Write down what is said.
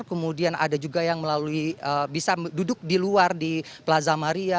kemudian ada juga yang melalui bisa duduk di luar di plaza maria